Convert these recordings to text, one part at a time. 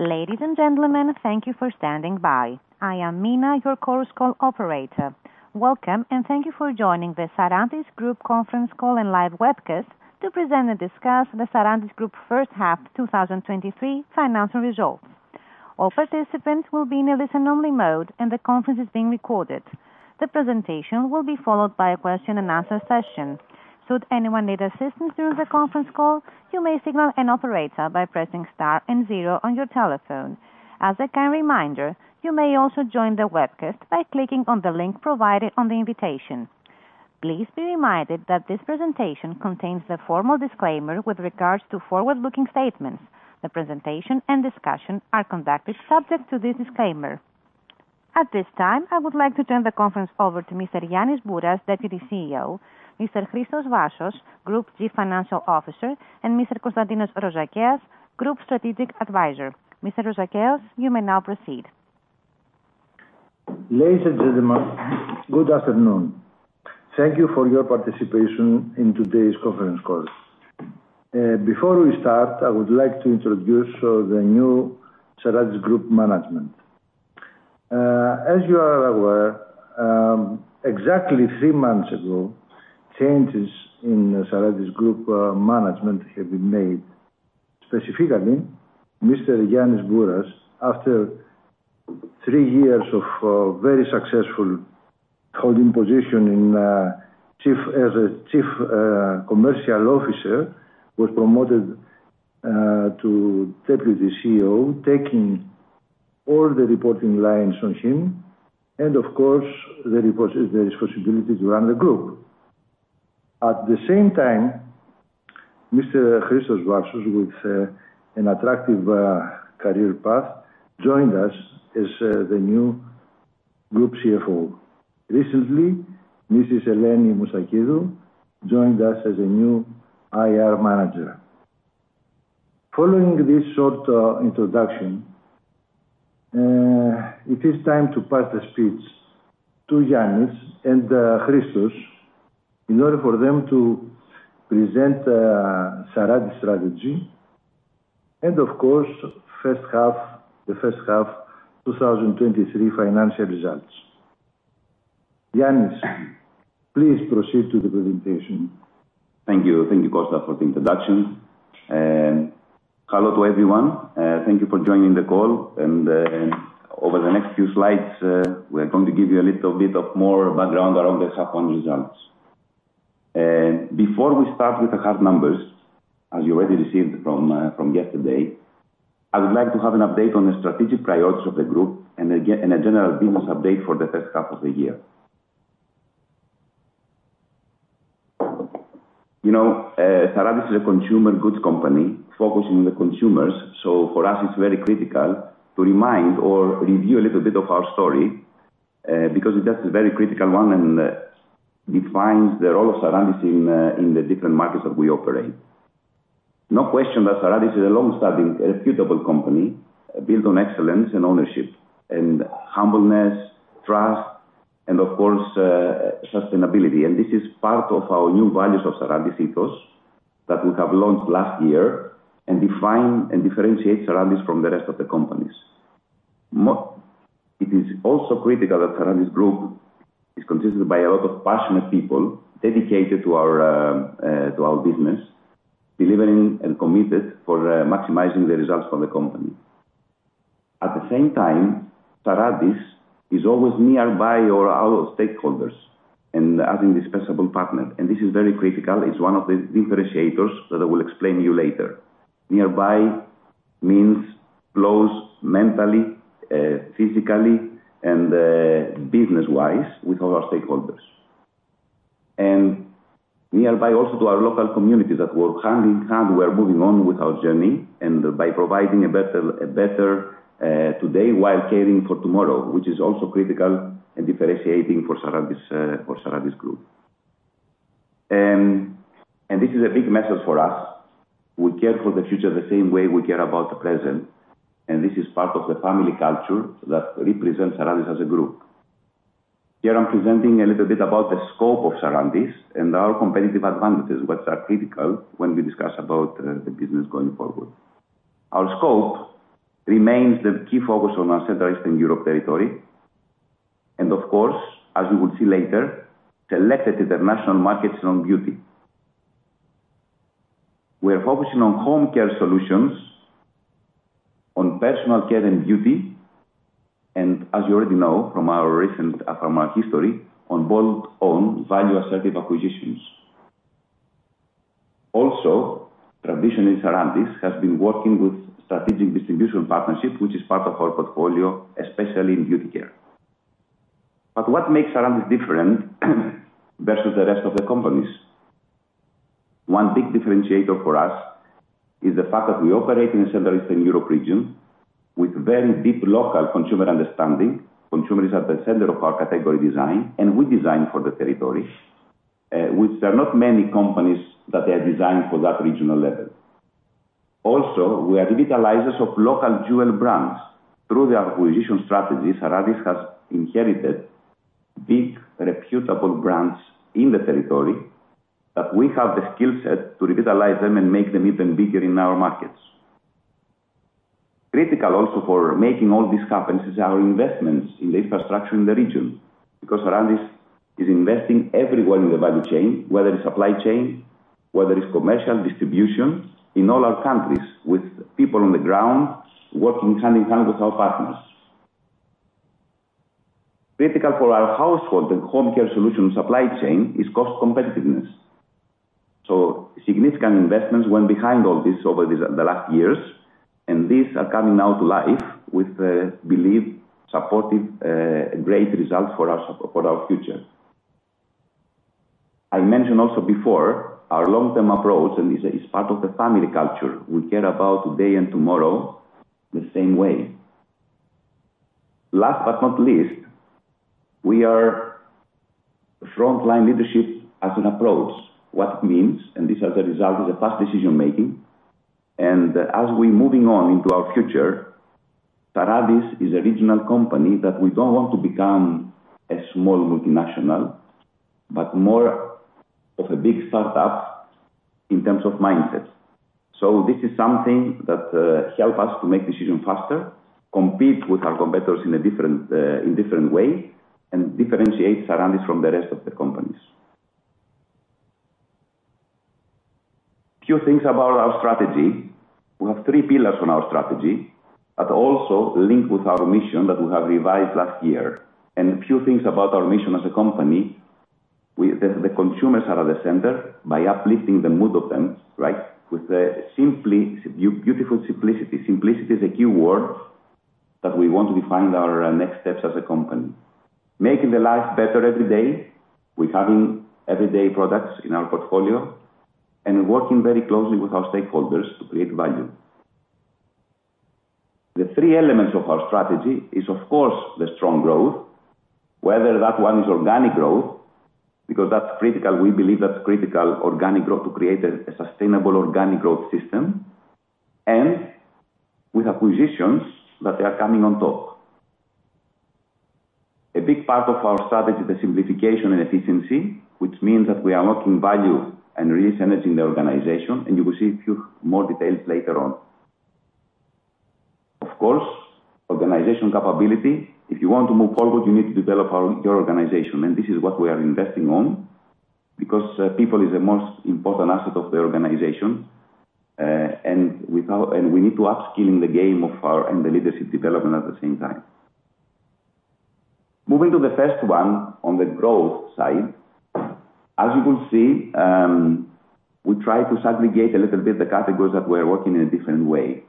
Ladies and gentlemen, thank you for standing by. I am Mina, your Chorus Call operator. Welcome, and thank you for joining the Sarantis Group conference call and live webcast to present and discuss the Sarantis Group first half 2023 financial results. All participants will be in a listen only mode, and the conference is being recorded. The presentation will be followed by a question and answer session. Should anyone need assistance during the conference call, you may signal an operator by pressing star and zero on your telephone. As a kind reminder, you may also join the webcast by clicking on the link provided on the invitation. Please be reminded that this presentation contains the formal disclaimer with regards to forward-looking statements. The presentation and discussion are conducted subject to this disclaimer. At this time, I would like to turn the conference over to Mr. Giannis Bouras, Deputy CEO, Mr. Christos Varsos, Group Chief Financial Officer, and Mr. Konstantinos Rozakeas, Group Strategic Advisor. Mr. Rozakeas, you may now proceed. Ladies and gentlemen, good afternoon. Thank you for your participation in today's conference call. Before we start, I would like to introduce so the new Sarantis Group management. As you are aware, exactly three months ago, changes in Sarantis Group management have been made. Specifically, Mr. Giannis Bouras, after three years of very successful holding position in chief, as a chief commercial officer, was promoted to deputy CEO, taking all the reporting lines on him, and of course, the responsibility to run the group. At the same time, Mr. Christos Varsos, with an attractive career path, joined us as the new group CFO. Recently, Mrs. Eleni Moustakidou joined us as a new IR manager. Following this short introduction, it is time to pass the speech to Giannis and Christos, in order for them to present Sarantis strategy, and of course, first half, the first half 2023 financial results. Giannis, please proceed to the presentation. Thank you. Thank you, Costa, for the introduction, and hello to everyone, thank you for joining the call and, over the next few slides, we are going to give you a little bit of more background around the half one results. Before we start with the hard numbers, as you already received from yesterday, I would like to have an update on the strategic priorities of the group and a general business update for the first half of the year. You know, Sarantis is a consumer goods company focusing on the consumers, so for us, it's very critical to remind or review a little bit of our story, because it is a very critical one and defines the role of Sarantis in the different markets that we operate. No question that Sarantis is a long-standing, reputable company, built on excellence and ownership, and humbleness, trust, and of course, sustainability. This is part of our new values of Sarantis Ethos that we have launched last year and define and differentiate Sarantis from the rest of the companies. It is also critical that Sarantis Group is consisted by a lot of passionate people, dedicated to our to our business, delivering and committed for maximizing the results for the company. At the same time, Sarantis is always nearby our our stakeholders and as indispensable partner, and this is very critical. It's one of the differentiators that I will explain to you later. Nearby means close mentally, physically, and business-wise with all our stakeholders. And nearby also to our local communities that work hand in hand, we are moving on with our journey, and by providing a better today while caring for tomorrow, which is also critical and differentiating for Sarantis, for Sarantis Group. And this is a big message for us, we care for the future the same way we care about the present, and this is part of the family culture that represents Sarantis as a group. Here I'm presenting a little bit about the scope of Sarantis and our competitive advantages, which are critical when we discuss about the business going forward. Our scope remains the key focus on our Central Eastern Europe territory, and of course, as you will see later, selected international markets and on beauty. We are focusing on home care solutions, on personal care and beauty, and as you already know from our recent, from our history, on bold own value assertive acquisitions. Also, tradition in Sarantis has been working with strategic distribution partnership, which is part of our portfolio, especially in beauty care. But what makes Sarantis different versus the rest of the companies? One big differentiator for us is the fact that we operate in a Central Eastern Europe region with very deep local consumer understanding. Consumer is at the center of our category design, and we design for the territory, which there are not many companies that are designed for that regional level. Also, we are digitalizers of local jewel brands. Through the acquisition strategy, Sarantis has inherited-... big reputable brands in the territory, that we have the skill set to revitalize them and make them even bigger in our markets. Critical also for making all these happen is our investments in the infrastructure in the region, because Sarantis is investing everywhere in the value chain, whether it's supply chain, whether it's commercial distribution, in all our countries, with people on the ground, working hand in hand with our partners. Critical for our household and home care solution supply chain is cost competitiveness. So significant investments went behind all this over the last years, and these are coming now to life with believe supportive great results for our future. I mentioned also before, our long-term approach and is part of the family culture. We care about today and tomorrow, the same way. Last but not least, we are frontline leadership as an approach. What it means, and this as a result, is a fast decision-making. As we're moving on into our future, Sarantis is a regional company that we don't want to become a small multinational, but more of a big startup in terms of mindset. So this is something that help us to make decisions faster, compete with our competitors in a different way, and differentiates Sarantis from the rest of the companies. Few things about our strategy. We have three pillars on our strategy, that also link with our mission that we have revised last year. A few things about our mission as a company, the consumers are at the center by uplifting the mood of them, right? With a simply beautiful simplicity. Simplicity is a key word that we want to define our next steps as a company. Making the life better every day, with having everyday products in our portfolio, and working very closely with our stakeholders to create value. The three elements of our strategy is, of course, the strong growth, whether that one is organic growth, because that's critical. We believe that's critical organic growth to create a sustainable organic growth system, and with acquisitions that are coming on top. A big part of our strategy, the simplification and efficiency, which means that we are unlocking value and release energy in the organization, and you will see a few more details later on. Of course, organization capability. If you want to move forward, you need to develop your organization, and this is what we are investing on, because people is the most important asset of the organization. And we need to upsthe game and the leadership development at the same time. Moving to the first one, on the growth side. As you will see, we try to segregate a little bit the categories that we're working in a different way.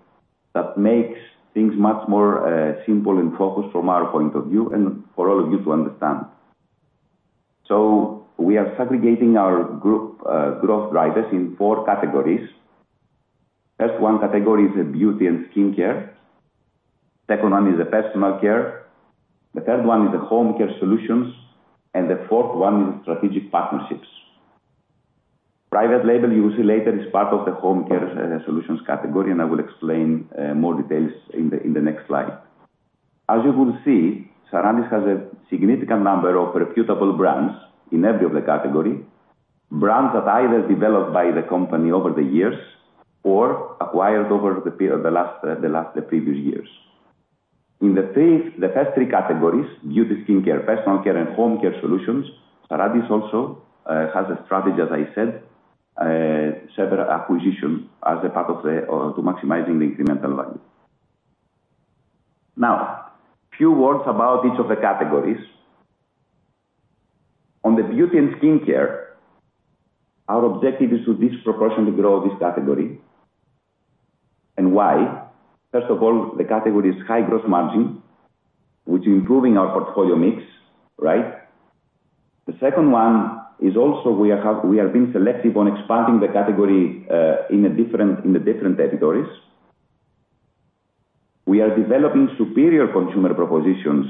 That makes things much more simple and focused from our point of view, and for all of you to understand. So we are segregating our group growth drivers in four categories. First one category is the beauty and skincare. Second one is the personal care. The third one is the homecare solutions, and the fourth one is strategic partnerships. Private label, you will see later, is part of the home care solutions category, and I will explain more details in the next slide. As you will see, Sarantis has a significant number of reputable brands in every of the category. Brands that either developed by the company over the years, or acquired over the period, the last, the previous years. In the first three categories, beauty, skincare, personal care, and home care solutions, Sarantis also has a strategy, as I said, several acquisitions as a part of the to maximizing the incremental value. Now, few words about each of the categories. On the beauty and skincare, our objective is to disproportionately grow this category. And why? First of all, the category is high gross margin, which improving our portfolio mix, right? The second one is also we are being selective on expanding the category in the different territories. We are developing superior consumer propositions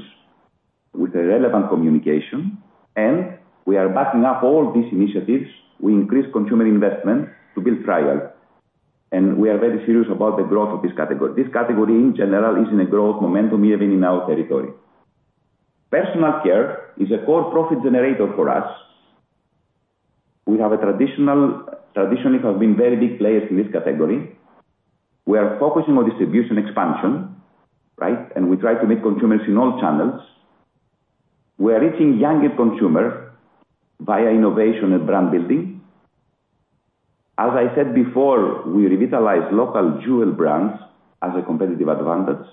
with the relevant communication, and we are backing up all these initiatives. We increase consumer investment to build trial, and we are very serious about the growth of this category. This category, in general, is in a growth momentum, even in our territory. Personal care is a core profit generator for us. We have traditionally been very big players in this category. We are focusing on distribution expansion, right? And we try to meet consumers in all channels. We are reaching younger consumer via innovation and brand building. As I said before, we revitalize local jewel brands as a competitive advantage,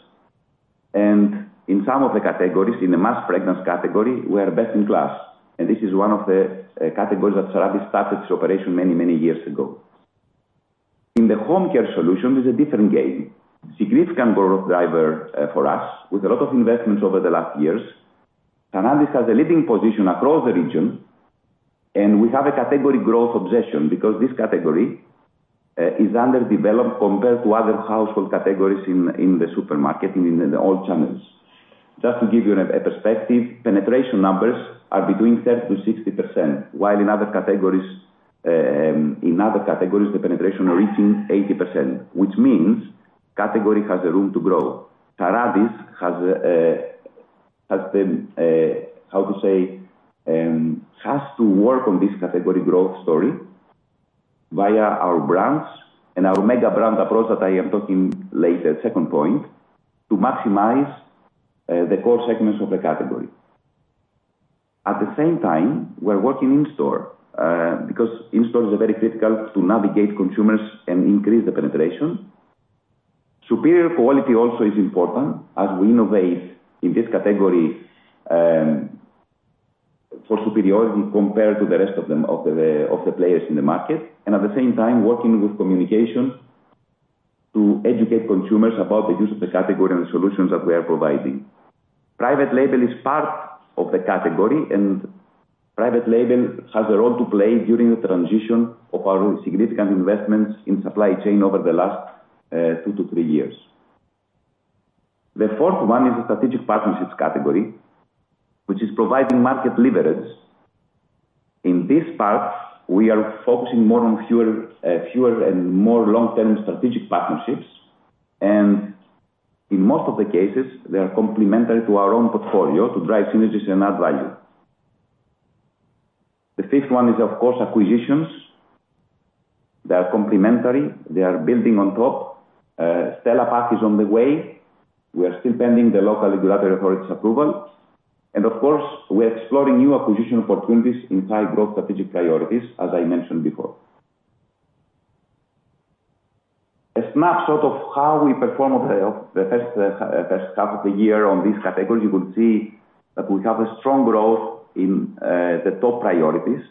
and in some of the categories, in the mass fragrance category, we are best in class. This is one of the categories that Sarantis started its operation many, many years ago. In the home care solution is a different game. Significant growth driver for us, with a lot of investments over the last years. Sarantis has a leading position across the region, and we have a category growth obsession, because this category is underdeveloped compared to other household categories in the supermarket, in all channels. Just to give you a perspective, penetration numbers are between 30%-60%, while in other categories, the penetration reaching 80%, which means category has a room to grow. Sarantis has to work on this category growth story via our brands and our mega brand approach that I am talking later, second point, to maximize the core segments of the category. At the same time, we're working in-store because in-store is very critical to navigate consumers and increase the penetration. Superior quality also is important as we innovate in this category for superiority compared to the rest of them of the players in the market, and at the same time working with communication to educate consumers about the use of the category and the solutions that we are providing. Private Label is part of the category, and Private Label has a role to play during the transition of our significant investments in supply chain over the last two to three years. The fourth one is the strategic partnerships category, which is providing market leverage. In this part, we are focusing more on fewer, fewer and more long-term strategic partnerships, and in most of the cases, they are complementary to our own portfolio to drive synergies and add value. The fifth one is, of course, acquisitions. They are complementary, they are building on top. Stella Pack is on the way. We are still pending the local regulatory authorities approval, and of course, we are exploring new acquisition opportunities inside growth strategic priorities, as I mentioned before. A snapshot of how we perform of the, of the first, first half of the year on this category, you will see that we have a strong growth in, the top priorities.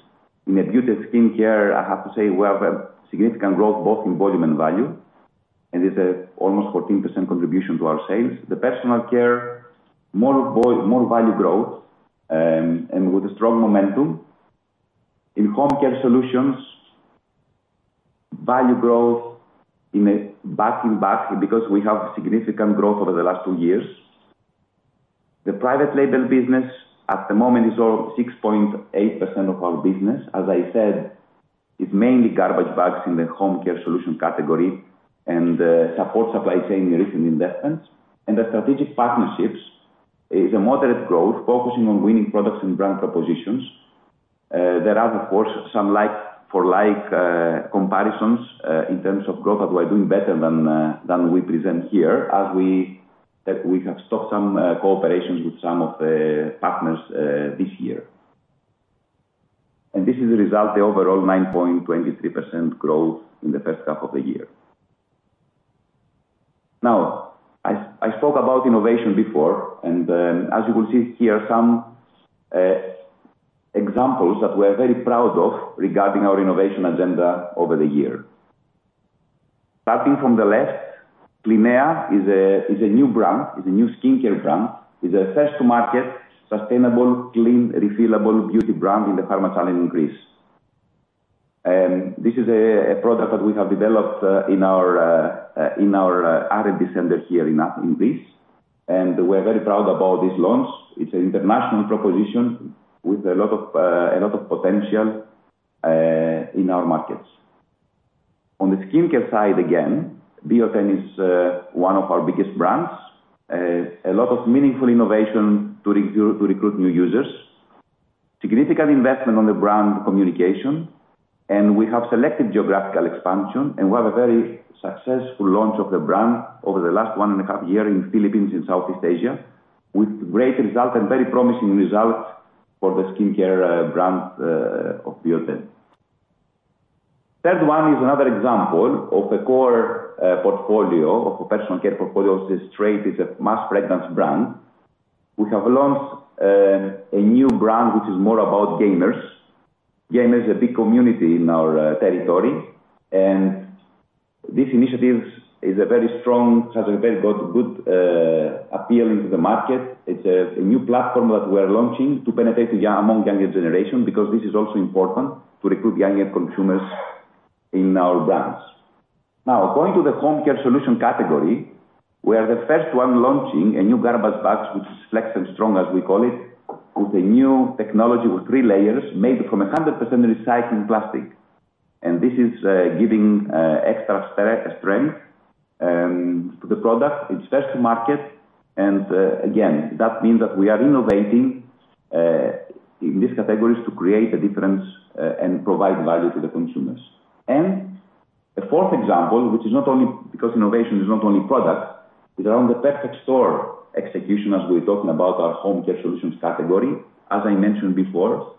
In the beauty and skincare, I have to say we have a significant growth, both in volume and value, and it's almost 14% contribution to our sales. The personal care, more value growth, and with a strong momentum. In homecare solutions, value growth in a back-to-back, because we have significant growth over the last two years. The private label business at the moment is all 6.8% of our business. As I said, it's mainly garbage bags in the home care solution category and support supply chain recent investments. The strategic partnerships is a moderate growth, focusing on winning products and brand propositions. There are, of course, some like-for-like comparisons in terms of growth that we're doing better than we present here, as we have stopped some cooperations with some of the partners this year. This is a result of the overall 9.23% growth in the first half of the year. Now, I spoke about innovation before, and as you will see here, some examples that we're very proud of regarding our innovation agenda over the year. Starting from the left, Clinea is a new skincare brand, a first-to-market sustainable, clean, refillable beauty brand in the pharma channel in Greece. This is a product that we have developed in our R&D center here in Greece, and we're very proud about this launch. It's an international proposition with a lot of potential in our markets. On the skincare side, again, Bioten is one of our biggest brands. A lot of meaningful innovation to recruit new users. Significant investment on the brand communication, and we have selected geographical expansion, and we have a very successful launch of the brand over the last 1.5 year in Philippines and Southeast Asia, with great result and very promising results for the skincare brand of Bioten. Third one is another example of a core portfolio of a personal care portfolio. STR8 is a mass fragrance brand. We have launched a new brand, which is more about gamers. Gamers are a big community in our territory, and this initiative is a very strong, has a very good appeal into the market. It's a new platform that we're launching to penetrate the young, among younger generation, because this is also important to recruit younger consumers in our brands. Now, going to the home care solutions category, we are the first one launching a new garbage bags, which is Flex & Strong, as we call it, with a new technology, with three layers made from 100% recycled plastic. And this is giving extra strength to the product. It's first to market, and again, that means that we are innovating in these categories to create a difference and provide value to the consumers. And the fourth example, which is not only because innovation is not only product, is around the perfect store execution as we're talking about our home care solutions category. As I mentioned before,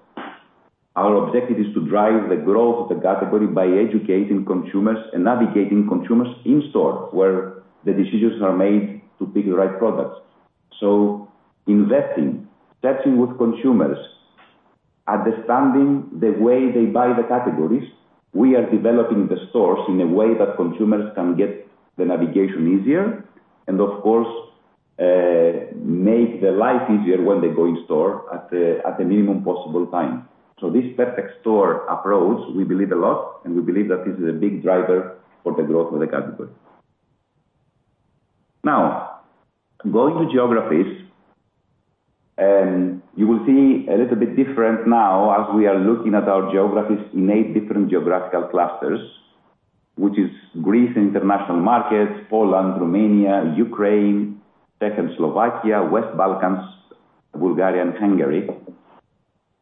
our objective is to drive the growth of the category by educating consumers and navigating consumers in store, where the decisions are made to pick the right products. So investing, touching with consumers, understanding the way they buy the categories, we are developing the stores in a way that consumers can get the navigation easier, and of course, make the life easier when they go in store at a minimum possible time. So this perfect store approach, we believe a lot, and we believe that this is a big driver for the growth of the category. Now, going to geographies-... You will see a little bit different now as we are looking at our geographies in eight different geographical clusters, which is Greece, International Markets, Poland, Romania, Ukraine, Czech and Slovakia, West Balkans, Bulgaria, and Hungary.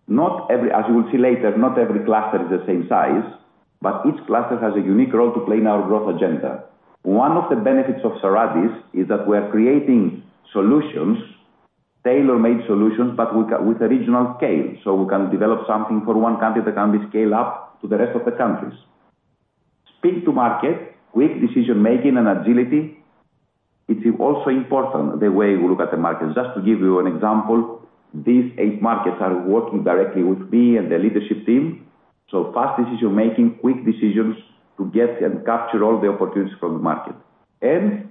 Not every, as you will see later, not every cluster is the same size, but each cluster has a unique role to play in our growth agenda. One of the benefits of Sarantis is that we are creating solutions, tailor-made solutions, but with, with original scale, so we can develop something for one country that can be scaled up to the rest of the countries. Speak to market with decision-making and agility. It is also important the way we look at the market. Just to give you an example, these eight markets are working directly with me and the leadership team, so fast decision-making, quick decisions to get and capture all the opportunities from the market. And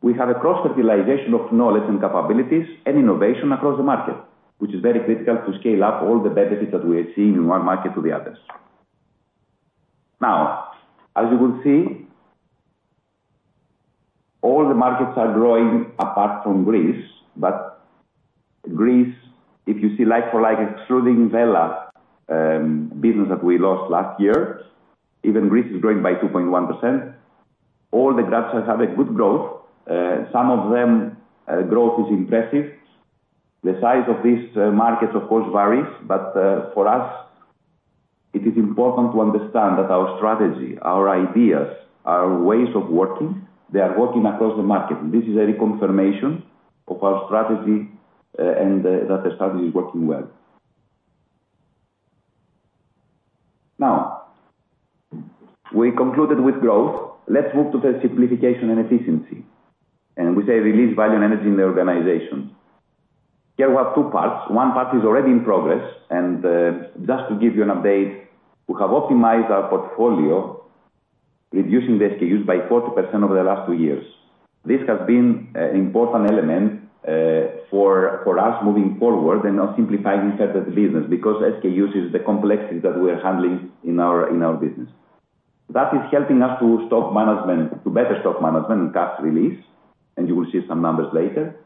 we have a cross-fertilization of knowledge and capabilities and innovation across the market, which is very critical to scale up all the benefits that we are seeing in one market to the others. Now, as you will see, all the markets are growing apart from Greece, but Greece, if you see like for like excluding Wella, business that we lost last year, even Greece is growing by 2.1%. All the graphs have a good growth. Some of them, growth is impressive. The size of these markets, of course, varies, but for us, it is important to understand that our strategy, our ideas, our ways of working, they are working across the market. This is a reconfirmation of our strategy, and that the strategy is working well. Now, we concluded with growth. Let's move to the simplification and efficiency, and we say release value and energy in the organization. Here we have two parts. One part is already in progress, and just to give you an update, we have optimized our portfolio, reducing the SKUs by 40% over the last two years. This has been an important element for, for us moving forward and now simplifying certain business, because SKUs is the complexity that we're handling in our, in our business. That is helping us to stock management, to better stock management and cost release, and you will see some numbers later.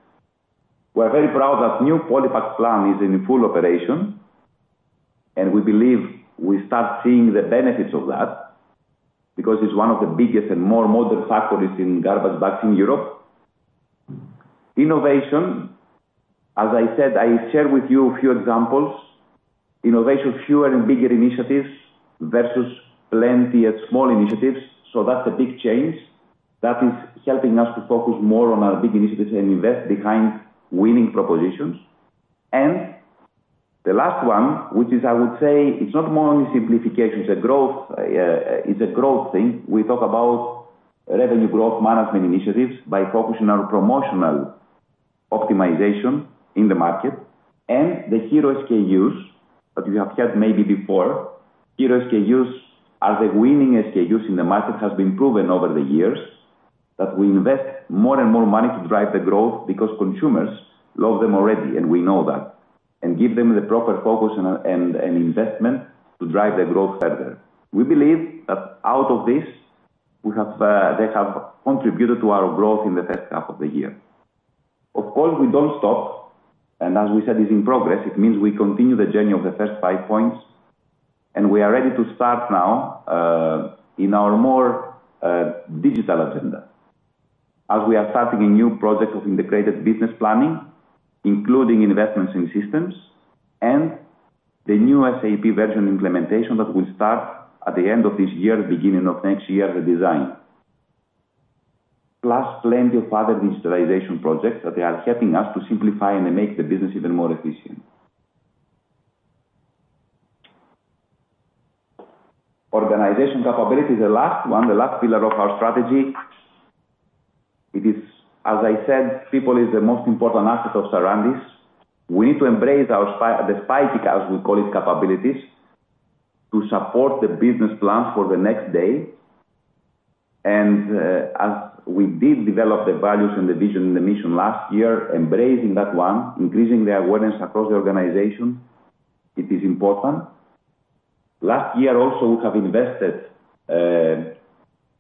We're very proud that new Polipak plant is in full operation, and we believe we start seeing the benefits of that because it's one of the biggest and more modern factories in garbage bags in Europe. Innovation, as I said, I share with you a few examples. Innovation, fewer and bigger initiatives versus plenty of small initiatives. So that's a big change. That is helping us to focus more on our big initiatives and invest behind winning propositions. And the last one, which is, I would say, it's not only simplification, it's a growth, it's a growth thing. We talk about revenue growth management initiatives by focusing on promotional optimization in the market and the hero SKUs that you have heard maybe before. Hero SKUs are the winning SKUs in the market, has been proven over the years, that we invest more and more money to drive the growth because consumers love them already, and we know that, and give them the proper focus and investment to drive the growth further. We believe that out of this, we have, they have contributed to our growth in the first half of the year. Of course, we don't stop, and as we said, it's in progress. It means we continue the journey of the first five points, and we are ready to start now, in our more, digital agenda. As we are starting a new project of integrated business planning, including investments in systems and the new SAP version implementation that will start at the end of this year, beginning of next year, the design. Plus, plenty of other digitalization projects that they are helping us to simplify and make the business even more efficient. Organization capability, the last one, the last pillar of our strategy. It is, as I said, people is the most important asset of Sarantis. We need to embrace our the spicy, as we call it, capabilities, to support the business plans for the next day. And, as we did develop the values and the vision and the mission last year, embracing that one, increasing the awareness across the organization, it is important. Last year, also, we have invested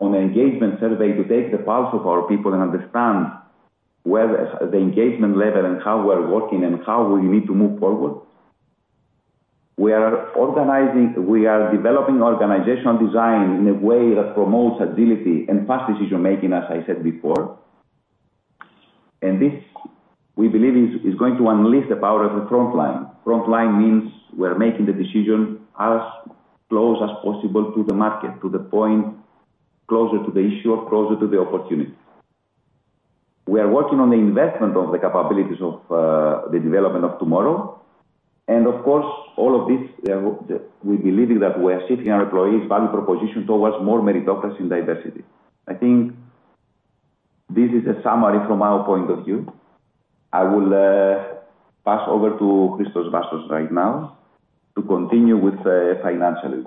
on the engagement survey to take the pulse of our people and understand where the, the engagement level and how we're working and how we need to move forward. We are developing organizational design in a way that promotes agility and fast decision-making, as I said before. And this, we believe, is going to unleash the power of the frontline. Frontline means we're making the decision as close as possible to the market, to the point closer to the issue or closer to the opportunity. We are working on the investment of the capabilities of the development of tomorrow. And of course, all of this, we believe that we are shifting our employees' value proposition towards more meritocracy and diversity. I think this is a summary from our point of view. I will pass over to Christos Varsos right now to continue with financially.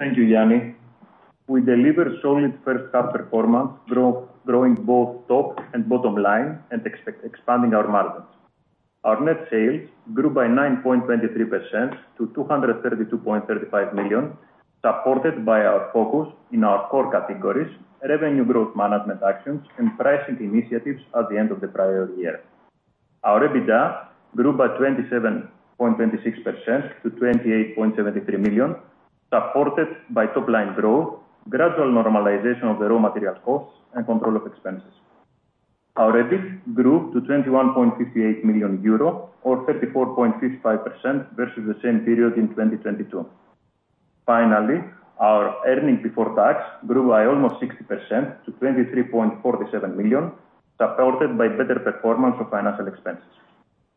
Thank you, Yanni. We delivered solid first half performance, growing both top and bottom line and expanding our margins. Our net sales grew by 9.23% to 232.35 million, supported by our focus in our core categories, revenue growth management actions, and pricing initiatives at the end of the prior year. Our EBITDA grew by 27.26% to 28.73 million, supported by top line growth, gradual normalization of the raw material costs, and control of expenses. Our EBIT grew to 21.58 million euro, or 34.55% versus the same period in 2022. Finally, our earnings before tax grew by almost 60% to 23.47 million, supported by better performance of financial expenses.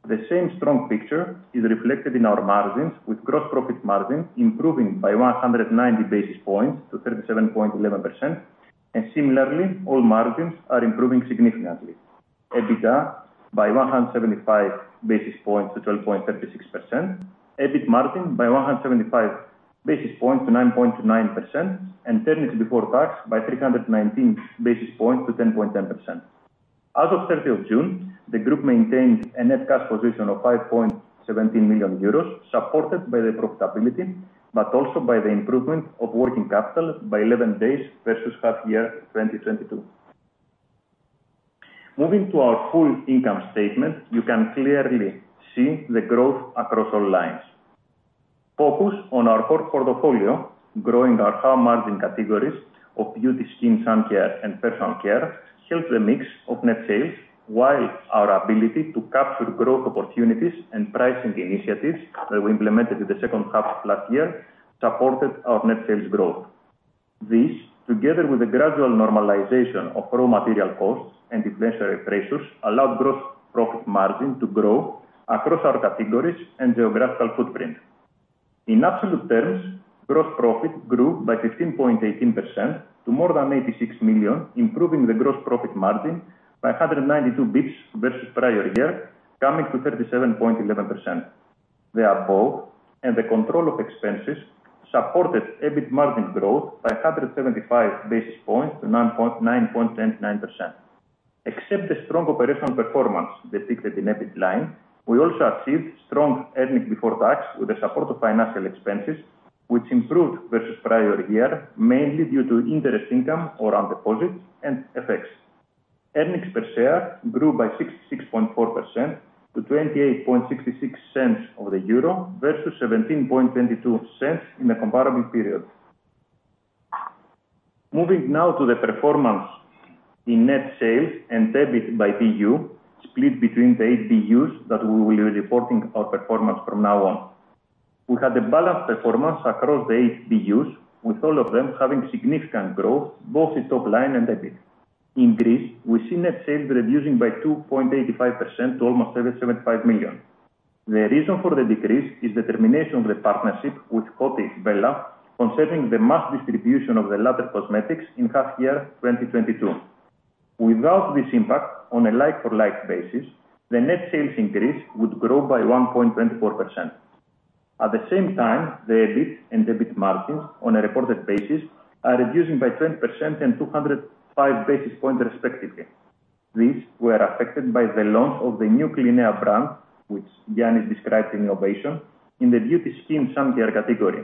The same strong picture is reflected in our margins, with gross profit margin improving by 190 basis points to 37.11%. And similarly, all margins are improving significantly. EBITDA by 175 basis points to 12.36%, EBIT margin by 175 basis points to 9.9%, and earnings before tax by 319 basis points to 10.10%. As of 30 June, the group maintained a net cash position of 5.17 million euros, supported by the profitability, but also by the improvement of working capital by 11 days versus half year 2022. Moving to our full income statement, you can clearly see the growth across all lines. Focus on our core portfolio, growing our high margin categories of beauty, skin, sun care, and personal care, helped the mix of net sales, while our ability to capture growth opportunities and pricing initiatives that we implemented in the second half of last year supported our net sales growth. This, together with the gradual normalization of raw material costs and inflationary pressures, allowed gross profit margin to grow across our categories and geographical footprint. In absolute terms, gross profit grew by 15.18% to more than 86 million, improving the gross profit margin by 192 basis points versus prior year, coming to 37.11%. The above and the control of expenses supported EBIT margin growth by 175 basis points to 9.109%. Except the strong operational performance reflected in EBIT line, we also achieved strong earnings before tax with the support of financial expenses, which improved versus prior year, mainly due to interest income or on deposits and effects. Earnings per share grew by 66.4% to 0.2866, versus 0.1722 in the comparable period. Moving now to the performance in net sales and EBIT by BU, split between the eight BUs that we will be reporting our performance from now on. We had a balanced performance across the eight BUs, with all of them having significant growth, both in top line and EBIT. In Greece, we see net sales reducing by 2.85% to almost 75 million. The reason for the decrease is the termination of the partnership with Coty Wella, concerning the mass distribution of the latter cosmetics in H1 2022. Without this impact, on a like-for-like basis, the net sales in Greece would grow by 1.24%. At the same time, the EBIT and EBIT margins on a reported basis are reducing by 10% and 205 basis points, respectively. These were affected by the launch of the new Clinea brand, which Giannis described in innovation, in the beauty, skin, sun care category.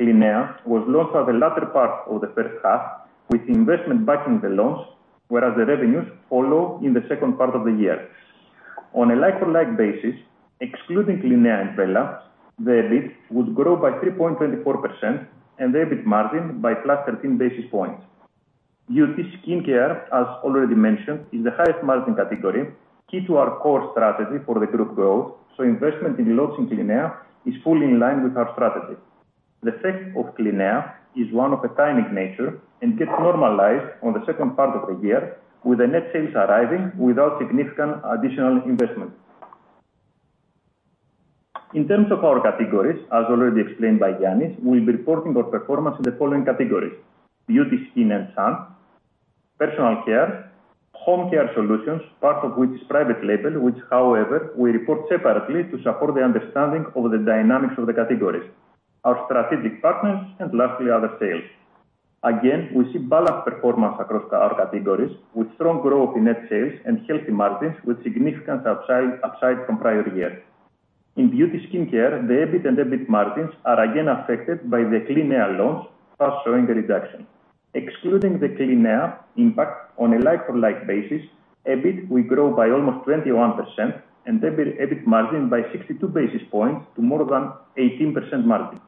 Clinea was launched at the latter part of the first half, with investment backing the launch, whereas the revenues follow in the second part of the year. On a like-for-like basis, excluding Clinea and wella, the EBIT would grow by 3.24% and the EBIT margin by +13 basis points. Beauty skin care, as already mentioned, is the highest margin category, key to our core strategy for the group growth, so investment in launch in Clinea is fully in line with our strategy. The effect of Clinea is one of a timing nature and gets normalized on the second part of the year, with the net sales arriving without significant additional investment. In terms of our categories, as already explained by Giannis, we'll be reporting our performance in the following categories: beauty, skin and sun, personal care, home care solutions, part of which is private label, which, however, we report separately to support the understanding of the dynamics of the categories, our strategic partners, and lastly, other sales. Again, we see balanced performance across our categories, with strong growth in net sales and healthy margins, with significant upside, upside from prior year. In beauty skin care, the EBIT and EBIT margins are again affected by the Clinea launch, thus showing a reduction. Excluding the Clinea impact on a like-for-like basis, EBIT will grow by almost 21% and EBIT, EBIT margin by 62 basis points to more than 18% margin.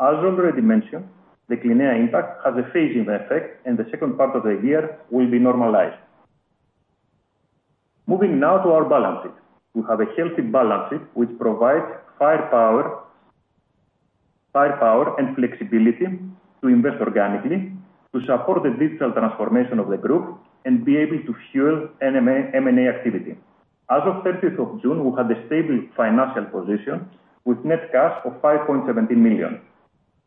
As already mentioned, the Clinea impact has a phasing effect, and the second part of the year will be normalized. Moving now to our balance sheet. We have a healthy balance sheet, which provides firepower, firepower and flexibility to invest organically, to support the digital transformation of the group, and be able to fuel M&A activity. As of 30th of June, we had a stable financial position with net cash of 5.17 million.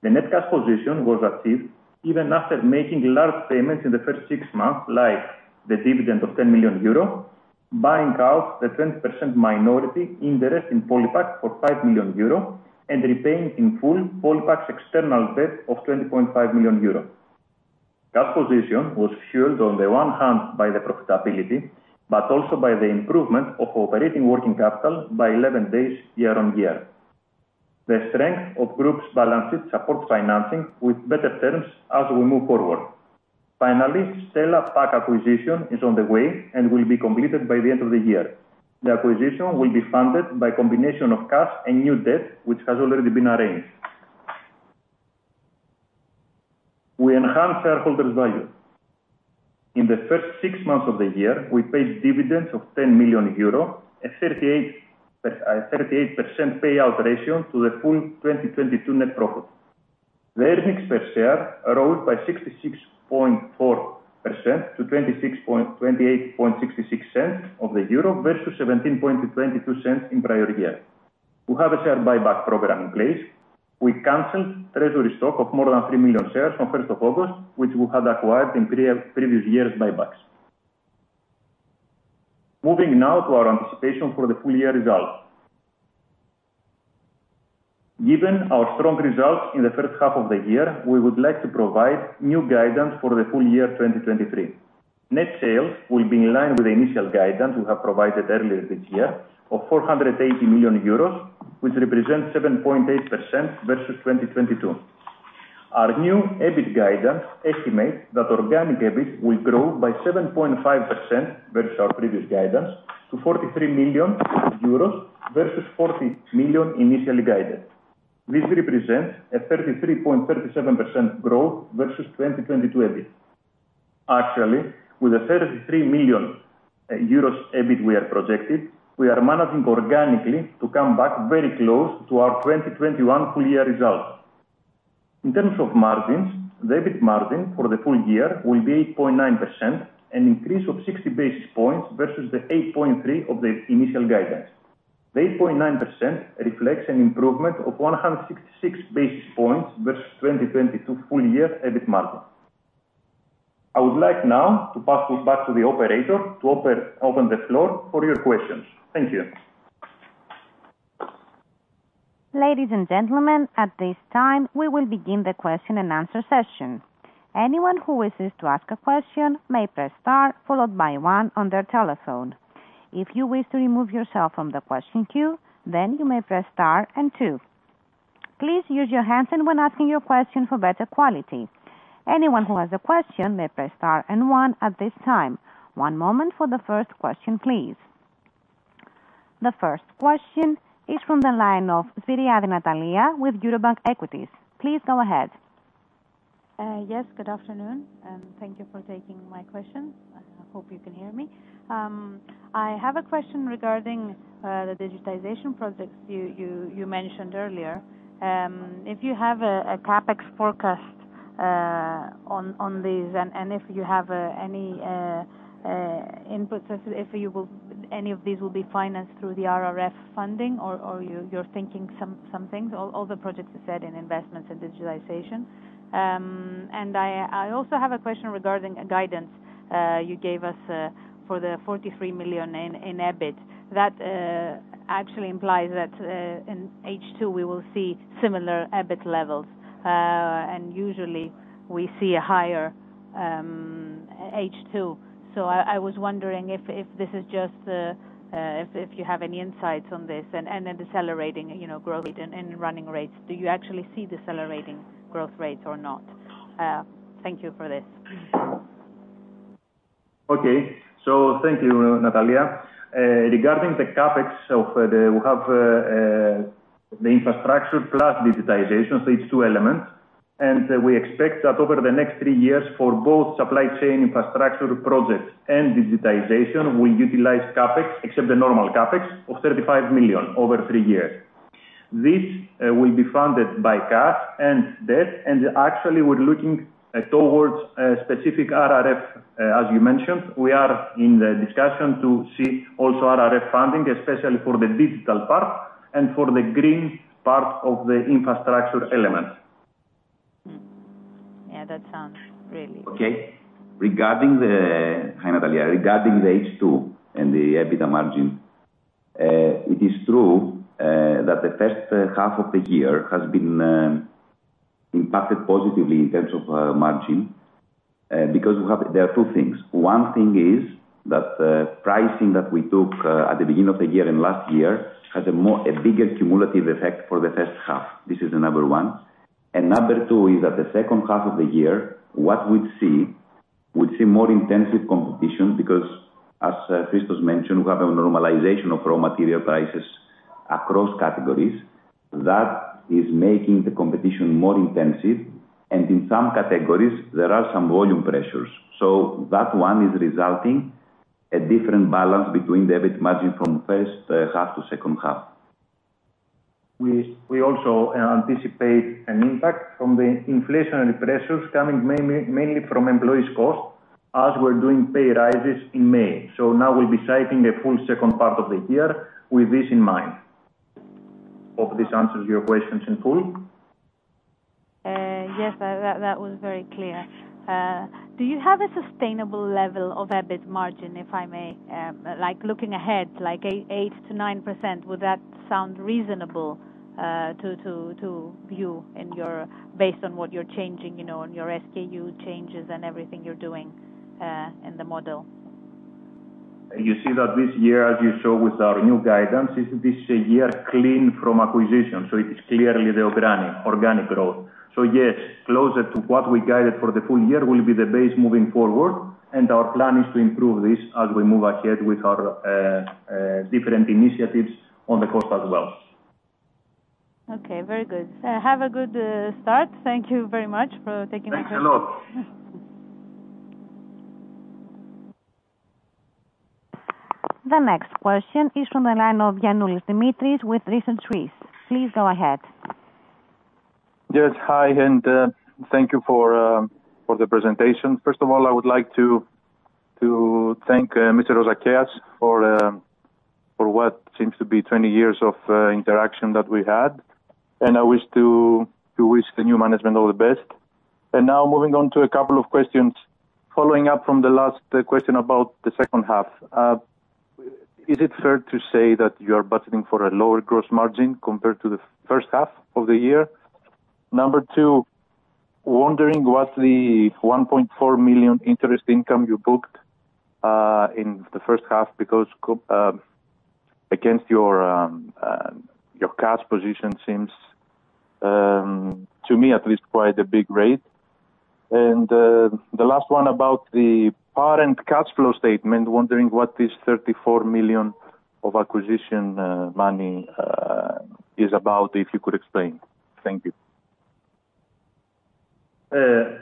The net cash position was achieved even after making large payments in the first six months, like the dividend of 10 million euro, buying out the 20% minority interest in Polipak for 5 million euro, and repaying in full Polipak's external debt of 20.5 million euro. Cash position was fueled on the one hand by the profitability, but also by the improvement of operating working capital by 11 days year-on-year. The strength of group's balance sheet supports financing with better terms as we move forward. Finally, Stella Pack acquisition is on the way and will be completed by the end of the year. The acquisition will be funded by combination of cash and new debt, which has already been arranged. We enhance shareholder value. In the first six months of the year, we paid dividends of 10 million euro, a 38% payout ratio to the full 2022 net profit. The earnings per share rose by 66.4% to €0.2866 versus €0.1722 in prior year. We have a share buyback program in place. We canceled treasury stock of more than 3 million shares on first of August, which we had acquired in previous years' buybacks. Moving now to our anticipation for the full year results. Given our strong results in the first half of the year, we would like to provide new guidance for the full year 2023. Net sales will be in line with the initial guidance we have provided earlier this year of 480 million euros, which represents 7.8% versus 2022. Our new EBIT guidance estimates that organic EBIT will grow by 7.5% versus our previous guidance to 43 million euros versus 40 million initially guided. This represents a 33.37% growth versus 2022 EBIT. Actually, with the 33 million euros EBIT we are projected, we are managing organically to come back very close to our 2021 full year results. In terms of margins, the EBIT margin for the full year will be 8.9%, an increase of 60 basis points versus the 8.3% of the initial guidance. The 8.9% reflects an improvement of 166 basis points versus 2022 full year EBIT margin. I would like now to pass it back to the operator to open the floor for your questions. Thank you. Ladies and gentlemen, at this time, we will begin the question and answer session. Anyone who wishes to ask a question may press star followed by one on their telephone. If you wish to remove yourself from the question queue, then you may press star and two. Please use your handset when asking your question for better quality. Anyone who has a question may press star and one at this time. One moment for the first question, please. The first question is from the line of Natalia Svyriadi with Eurobank Equities. Please go ahead. Yes, good afternoon, and thank you for taking my question. I hope you can hear me. I have a question regarding the digitization projects you mentioned earlier. If you have a CapEx forecast on these, and if you have any inputs as to if any of these will be financed through the RRF funding or you're thinking some things, all the projects you said in investments and digitalization. And I also have a question regarding a guidance you gave us for the 43 million in EBIT. That actually implies that in H2, we will see similar EBIT levels, and usually we see a higher H2. So I was wondering if this is just if you have any insights on this and the decelerating, you know, growth rate and running rates, do you actually see decelerating growth rates or not? Thank you for this. Okay. So thank you, Natalia. Regarding the CapEx of the, we have the infrastructure plus digitization, so it's two elements. We expect that over the next three years for both supply chain infrastructure projects and digitization, we utilize CapEx, except the normal CapEx, of 35 million over three years. This will be funded by cash and debt, and actually we're looking towards specific RRF, as you mentioned. We are in the discussion to see also RRF funding, especially for the digital part and for the green part of the infrastructure element. Hmm. Yeah, that sounds really- Okay. Regarding the, hi, Natalia, regarding the H2 and the EBITDA margin, it is true that the first half of the year has been impacted positively in terms of margin because we have... There are two things. One thing is that the pricing that we took at the beginning of the year and last year has a more, a bigger cumulative effect for the first half. This is the number one. And number two is that the second half of the year, what we see, we see more intensive competition because, as Christos mentioned, we have a normalization of raw material prices across categories. That is making the competition more intensive, and in some categories there are some volume pressures. So that one is resulting a different balance between the EBIT margin from first half to second half. We also anticipate an impact from the inflationary pressures coming mainly from employees' cost as we're doing pay rises in May. So now we'll be citing a full second part of the year with this in mind. Hope this answers your questions in full. Yes, that was very clear. Do you have a sustainable level of EBIT margin, if I may, like, looking ahead, like 8%-9%, would that sound reasonable, to you in your, based on what you're changing, you know, on your SKU changes and everything you're doing, in the model? ... You see that this year, as you saw with our new guidance, is this a year clean from acquisition, so it is clearly the organic, organic growth. So yes, closer to what we guided for the full year will be the base moving forward, and our plan is to improve this as we move ahead with our different initiatives on the cost as well. Okay, very good. Have a good start. Thank you very much for taking my question. Thanks a lot. The next question is from the line of Dimitris Giannoulis with Renaissance. Please go ahead. Yes, hi, and thank you for the presentation. First of all, I would like to thank Mr. Rozakeas for what seems to be 20 years of interaction that we had. I wish to wish the new management all the best. Now moving on to a couple of questions. Following up from the last question about the second half, is it fair to say that you are budgeting for a lower gross margin compared to the first half of the year? Number two, wondering what the 1.4 million interest income you booked in the first half, because against your cash position seems to me at least, quite a big rate. The last one about the parent cash flow statement, wondering what this 34 million of acquisition money is about, if you could explain. Thank you.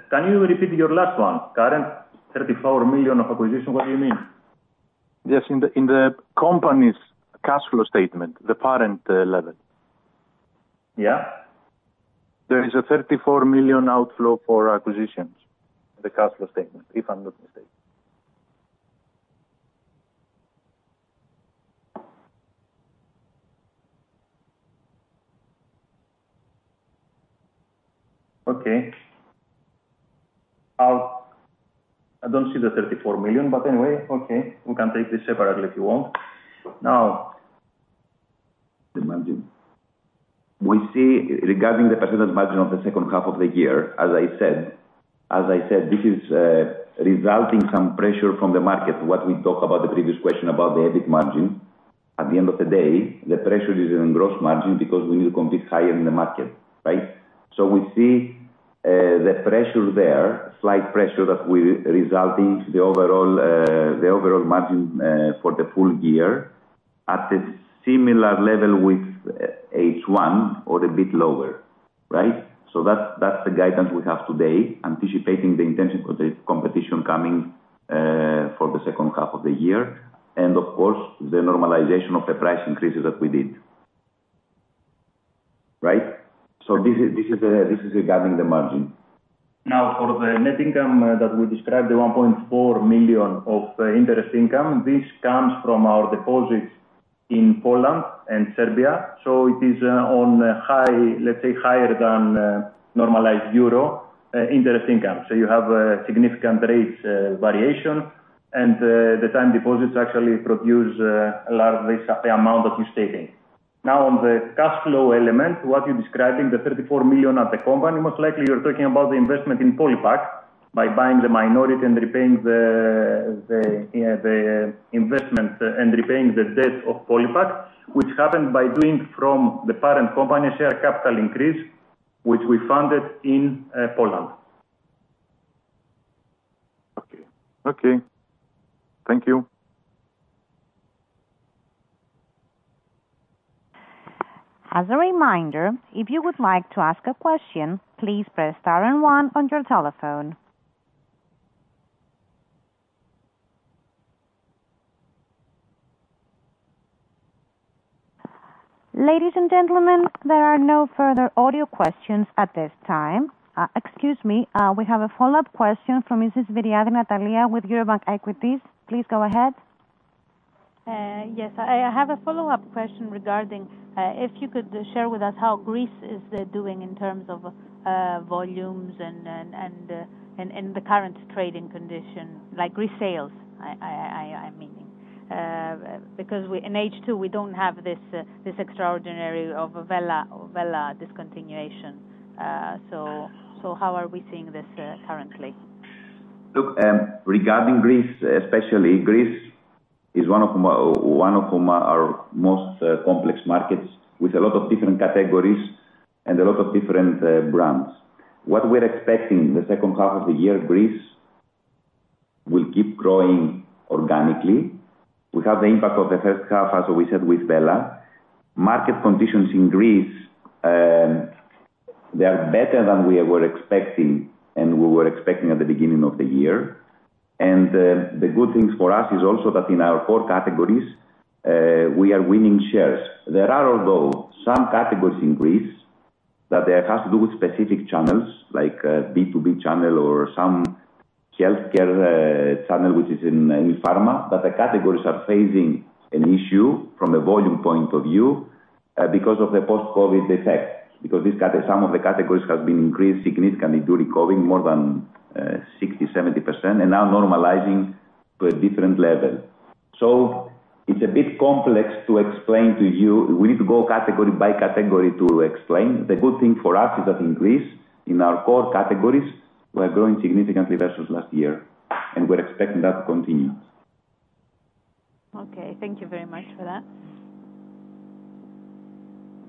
Can you repeat your last one? Current 34 million of acquisition, what do you mean? Yes. In the company's cash flow statement, the parent level. Yeah. There is a 34 million outflow for acquisitions, the cash flow statement, if I'm not mistaken. Okay. I'll, I don't see the 34 million, but anyway, okay. We can take this separately if you want. Now, the margin. We see regarding the percentage margin of the second half of the year, as I said, as I said, this is resulting some pressure from the market, what we talked about the previous question about the EBIT margin. At the end of the day, the pressure is in gross margin because we need to compete higher in the market, right? So we see the pressure there, slight pressure that will resulting the overall the overall margin for the full year at a similar level with H1 or a bit lower, right? So that's the guidance we have today, anticipating the intensive competition coming for the second half of the year, and of course, the normalization of the price increases that we did. Right? So this is regarding the margin. Now, for the net income that we described, the 1.4 million of interest income, this comes from our deposits in Poland and Serbia. So it is on a high, let's say, higher than normalized euro interest income. So you have a significant rates variation, and the time deposits actually produce a large base of the amount that you stated. Now, on the cash flow element, what you're describing, the 34 million at the company, most likely you're talking about the investment in Polipak, by buying the minority and repaying the investment and repaying the debt of Polipak, which happened by doing from the parent company share capital increase, which we funded in Poland. Okay. Okay. Thank you. As a reminder, if you would like to ask a question, please press star and one on your telephone. Ladies and gentlemen, there are no further audio questions at this time. Excuse me, we have a follow-up question from Mrs. Natalia Zyriadis with Eurobank Equities. Please go ahead. Yes, I have a follow-up question regarding if you could share with us how Greece is doing in terms of volumes and the current trading condition, like Greece sales, I mean. Because we in H2, we don't have this extraordinary Wella discontinuation. So, how are we seeing this currently? Look, regarding Greece, especially Greece, is one of our most complex markets, with a lot of different categories and a lot of different brands. What we're expecting in the second half of the year, Greece will keep growing organically. We have the impact of the first half, as we said, with wella. Market conditions in Greece, they are better than we were expecting and we were expecting at the beginning of the year. The good things for us is also that in our core categories, we are winning shares. There are although, some categories in Greece, that they have to do with specific channels, like, B2B channel or some healthcare channel, which is in pharma, but the categories are facing an issue from a volume point of view, because of the post-COVID effect. Because some of the categories have been increased significantly during COVID, more than 60, 70%, and now normalizing to a different level. It's a bit complex to explain to you. We need to go category by category to explain. The good thing for us is that in Greece, in our core categories, we are growing significantly versus last year, and we're expecting that to continue. Okay, thank you very much for that.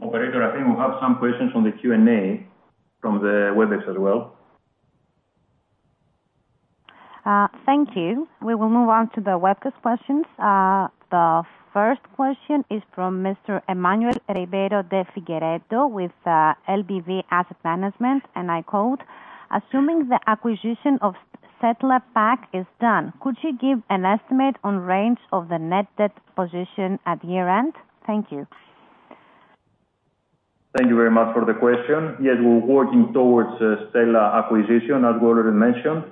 Operator, I think we have some questions from the Q&A, from the WebEx as well. Thank you. We will move on to the WebEx questions. The first question is from Mr. Emanuel Ribeiro de Figueiredo, with LBV Asset Management, and I quote: "Assuming the acquisition of Stella Pack is done, could you give an estimate on range of the net debt position at year-end? Thank you. Thank you very much for the question. Yes, we're working towards the Stella acquisition, as we already mentioned.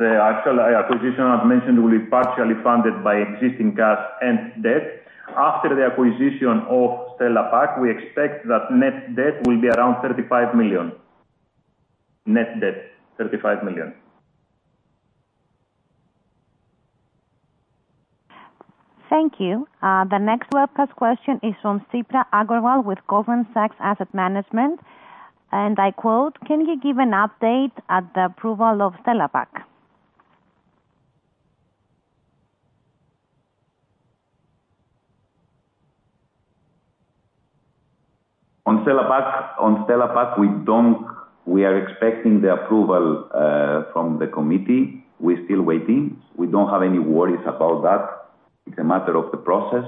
The actual acquisition, as mentioned, will be partially funded by existing cash and debt. After the acquisition of Stella Pack, we expect that net debt will be around 35 million. Net debt, 35 million. Thank you. The next webcast question is from Shubhra Aggarwal with Goldman Sachs Asset Management, and I quote: "Can you give an update on the approval of Stella Pack? On Stella Pack, we are expecting the approval from the committee. We're still waiting. We don't have any worries about that. It's a matter of the process.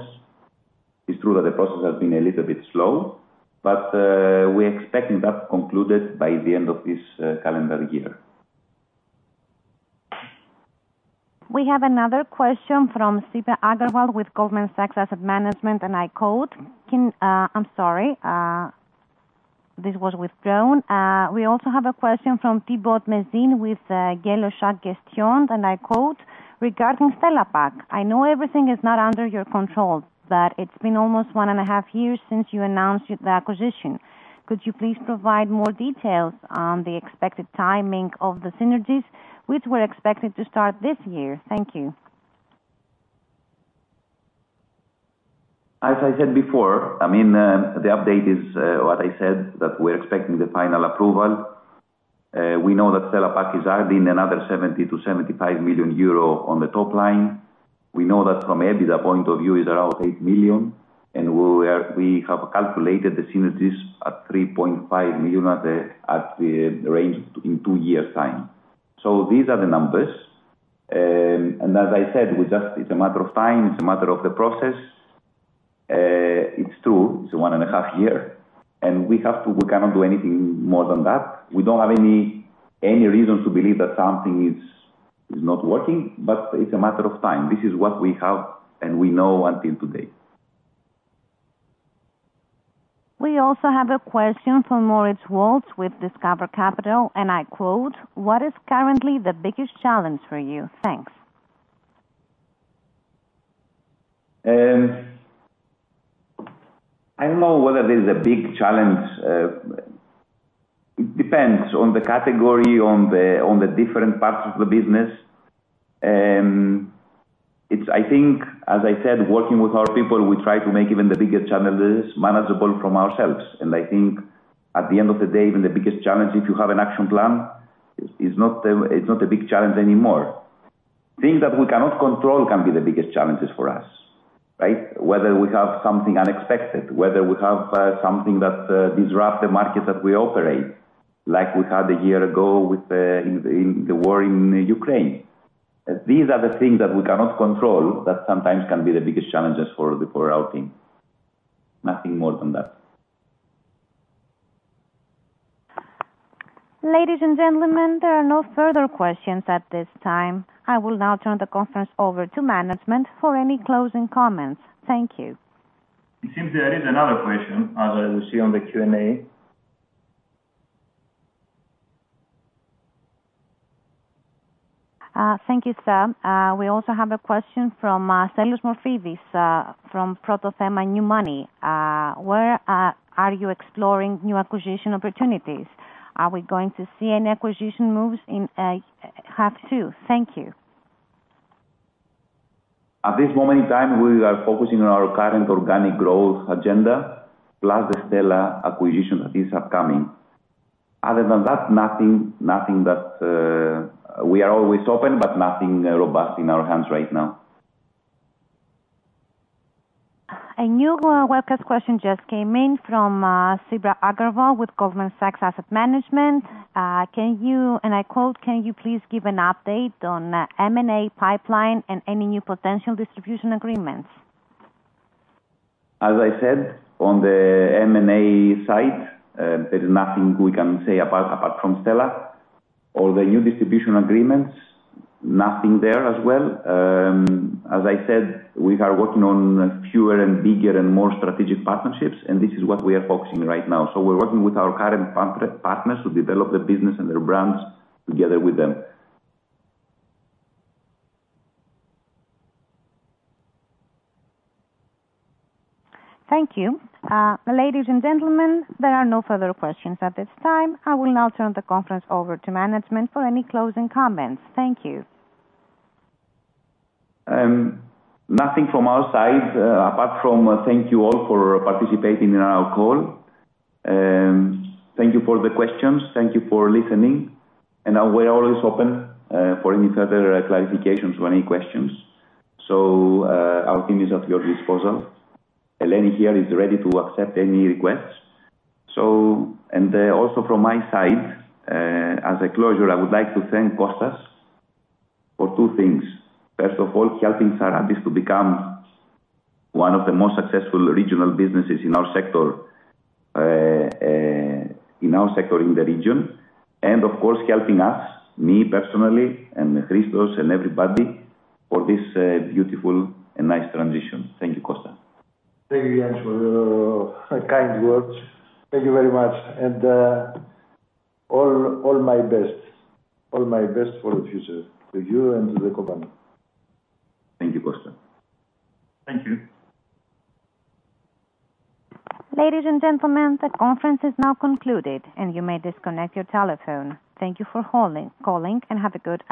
It's true that the process has been a little bit slow, but we're expecting that concluded by the end of this calendar year. We have another question from Shubhra Aggarwal with Goldman Sachs Asset Management, and I quote: "Can..." I'm sorry, this was withdrawn. We also have a question from Thibault Mesne with Yellow Shark question, and I quote: "Regarding Stella Pack, I know everything is not under your control, but it's been almost one and a half years since you announced the acquisition. Could you please provide more details on the expected timing of the synergies which were expected to start this year? Thank you. As I said before, I mean, the update is what I said, that we're expecting the final approval. We know that Stella Pack is adding another 70 million-75 million euro on the top line. We know that from EBITDA point of view is around 8 million, and we have calculated the synergies at 3.5 million at the range in 2 years' time. So these are the numbers. As I said, we just, it's a matter of time, it's a matter of the process. It's true, it's 1.5 year, and we have to, we cannot do anything more than that. We don't have any reasons to believe that something is not working, but it's a matter of time. This is what we have and we know until today. We also have a question from Moritz Wulff with Discover Capital, and I quote: "What is currently the biggest challenge for you? Thanks. I don't know whether this is a big challenge, it depends on the category, on the different parts of the business. And it's, I think, as I said, working with our people, we try to make even the biggest challenges manageable from ourselves. And I think at the end of the day, even the biggest challenge, if you have an action plan, is not the, it's not a big challenge anymore. Things that we cannot control can be the biggest challenges for us, right? Whether we have something unexpected, whether we have something that disrupt the market that we operate, like we had a year ago with in the war in Ukraine. These are the things that we cannot control, that sometimes can be the biggest challenges for our team. Nothing more than that. Ladies and gentlemen, there are no further questions at this time. I will now turn the conference over to management for any closing comments. Thank you. It seems there is another question, as I see on the Q&A. Thank you, sir. We also have a question from Stelios Morfidis from Proto Thema New Money. Where are you exploring new acquisition opportunities? Are we going to see any acquisition moves in half two? Thank you. At this moment in time, we are focusing on our current organic growth agenda, plus the Stella acquisition that is upcoming. Other than that, nothing, nothing that... We are always open, but nothing robust in our hands right now. A new webcast question just came in from Shubhra Aggarwal with Goldman Sachs Asset Management. Can you, and I quote: "Can you please give an update on M&A pipeline and any new potential distribution agreements? As I said, on the M&A side, there is nothing we can say about apart from Stella, or the new distribution agreements, nothing there as well. As I said, we are working on fewer and bigger and more strategic partnerships, and this is what we are focusing right now. So we're working with our current partner, partners to develop the business and their brands together with them. Thank you. Ladies and gentlemen, there are no further questions at this time. I will now turn the conference over to management for any closing comments. Thank you. Nothing from our side, apart from thank you all for participating in our call. Thank you for the questions, thank you for listening, and now we're always open for any further clarifications or any questions. So, our team is at your disposal. Eleni here is ready to accept any requests. So, and, also from my side, as a closure, I would like to thank Kostas for two things. First of all, helping Sarantis to become one of the most successful regional businesses in our sector, in our sector in the region, and of course, helping us, me personally, and Christos and everybody, for this, beautiful and nice transition. Thank you, Kostas. Thank you, Giannis, for your kind words. Thank you very much. And, all, all my best, all my best for the future to you and to the company. Thank you, Kostas. Thank you. Ladies and gentlemen, the conference is now concluded, and you may disconnect your telephone. Thank you for holding, calling, and have a good afternoon.